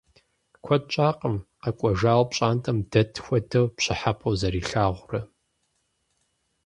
Куэд щӀакъым къэкӀуэжауэ пщӀантӀэм дэт хуэдэу пщӀыхьэпӀэу зэрилъагъурэ.